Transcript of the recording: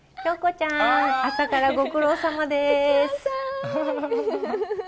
ちゃーん、朝からご苦労さまです。